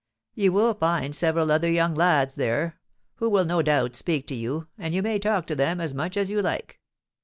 You will find several other young lads there, who will no doubt speak to you; and you may talk to them as much as you like.